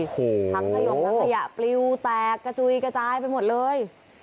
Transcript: หัมทะโยงพัทยาปลิวแตกกระจุยกระจายไปหมดเลย